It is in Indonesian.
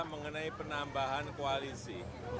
mengenai penambahan koalisi